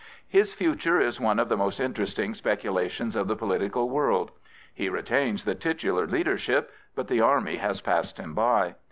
His future is one of the most interesting specula tions of the political world. He retains the titular leadership; but the army has passed him by.